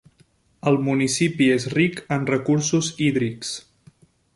El municipi és ric en recursos hídrics.